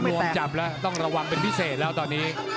เลิกลองเอารวมจับละต้องระวังเป็นพิเศษแล้วตอนนี้